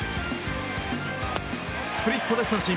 スプリットで三振。